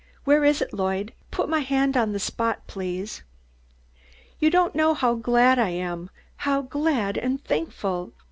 Where is it, Lloyd? Put my hand on the spot, please. You don't know how glad I am, how glad and thankful.